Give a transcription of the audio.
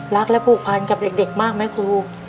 รักและผูกพันกับเด็กมากไหมครู